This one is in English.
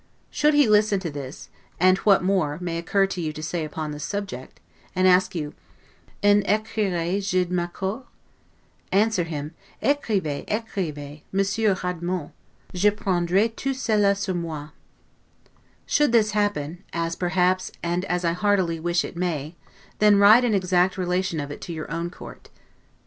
Should he listen to this, and what more may occur to you to say upon this subject, and ask you, 'En ecrirai je d ma cour? Answer him, 'Ecrivez, ecrivex, Monsieur hardiment'. Je prendrai tout cela sur moi'. Should this happen, as perhaps, and as I heartily wish it may, then write an exact relation of it to your own Court.